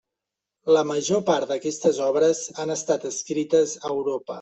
La major part d'aquestes obres han estat escrites a Europa.